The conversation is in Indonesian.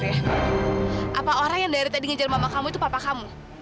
apa orang yang dari tadi ngejar mama kamu itu papa kamu